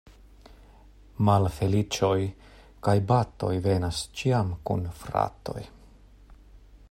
Malfeliĉoj kaj batoj venas ĉiam kun fratoj.